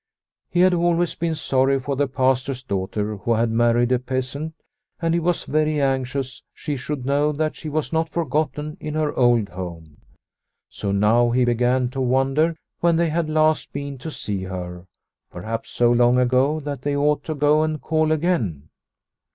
He had always been sorry for the Pastor's daughter who had married a peasant, and he was very anxious she should know that she was not forgotten in her old home. So now he began to wonder when they had last been to see her, perhaps so long ago that they ought to go and call again.